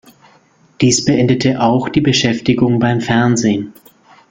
Dies beendete auch die Beschäftigung beim Fernsehen.